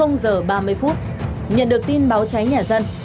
giờ ba mươi phút nhận được tin báo cháy nhà dân